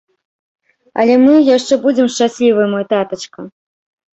Але мы яшчэ будзем шчаслівыя, мой татачка!